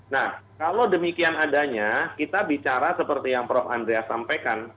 nah kalau demikian adanya kita bicara seperti yang prof andreas sampaikan